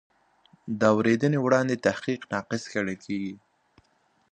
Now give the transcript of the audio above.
د اورېدنې وړاندې تحقیق ناقص ګڼل کېږي.